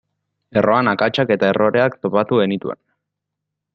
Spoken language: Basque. Erroan akatsak eta erroreak topatu genituen.